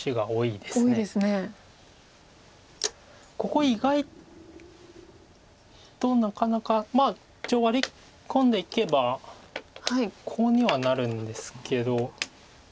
ここ意外となかなか一応ワリ込んでいけばコウにはなるんですけど。